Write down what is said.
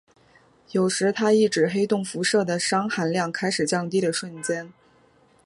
有时它亦指黑洞辐射的熵含量开始降低的瞬间。